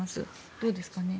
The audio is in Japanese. どうですか？